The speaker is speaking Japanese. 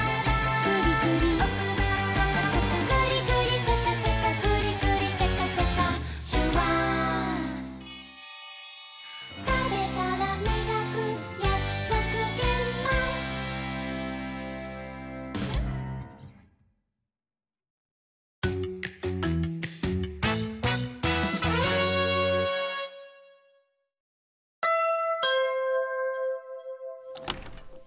「グリグリシャカシャカグリグリシャカシャカ」「シュワー」「たべたらみがくやくそくげんまん」ピンポン。